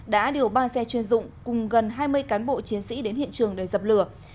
đã điều ba xe chuyên dụng cùng gần hai mươi cán bộ chiến sĩ đến hiện trường để dập lửa